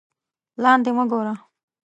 لاندې مه گوره